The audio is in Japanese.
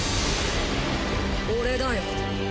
俺だよ。